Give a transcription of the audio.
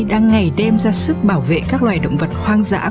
đang ngày đêm ra sức bảo vệ các loài động vật hoang dã